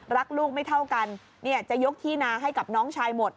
รักลูกไม่เท่ากันจะยกที่นาให้กับน้องชายหมด